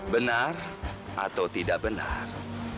benar atau tidak benar